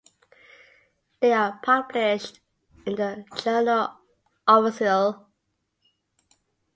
They are published in the "Journal Officiel".